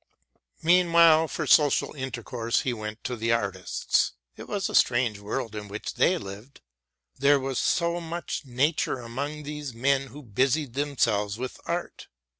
Meanwhile for social intercourse he went to the artists. It was a strange world in which they lived. There was so much nature among these men who busied themselves with art.